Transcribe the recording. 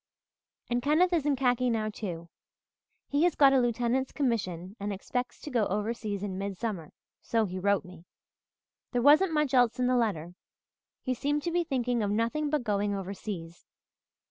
"And Kenneth is in khaki now, too. He has got a lieutenant's commission and expects to go overseas in midsummer, so he wrote me. There wasn't much else in the letter he seemed to be thinking of nothing but going overseas.